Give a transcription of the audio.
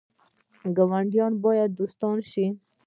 ګاونډیان باید دوستان شي